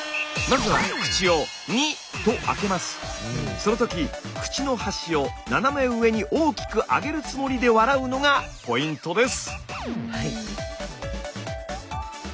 その時口の端を斜め上に大きく上げるつもりで笑うのがポイントです。